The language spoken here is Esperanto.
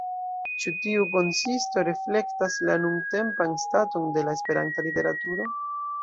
Ĉu tiu konsisto reflektas la nuntempan staton de la Esperanta literaturo?